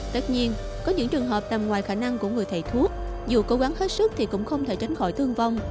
tất nhiên có những trường hợp tầm ngoài khả năng của người thầy thuốc dù cố gắng hết sức thì cũng không thể tránh khỏi thương vong